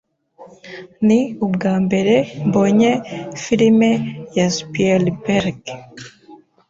Ni ubwambere mbonye firime ya Spielberg.